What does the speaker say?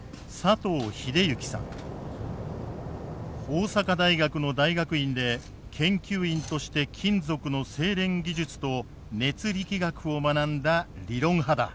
大阪大学の大学院で研究員として金属の精錬技術と熱力学を学んだ理論派だ。